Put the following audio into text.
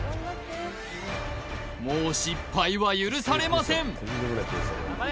もう失敗は許されません